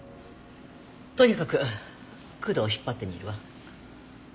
とにかく工藤を引っ張ってみるわ。